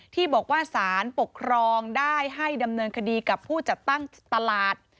ที่บอกว่าสารปกครองได้ให้ดำเนินคดีกับผู้จัดตั้งตลาด